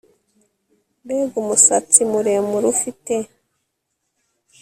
Mbega umusatsi muremure ufite